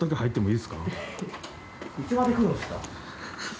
いつまで来るんすか。